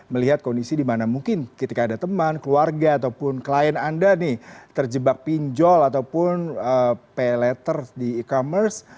melihat kondisi dimana mungkin ketika ada teman keluarga ataupun klien anda nih terjebak pinjol ataupun pay letter di e commerce